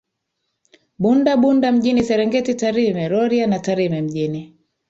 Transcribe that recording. Bunda Bunda Mjini Serengeti Tarime Rorya na Tarime Mjini